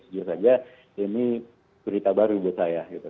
sejujurnya ini cerita baru buat saya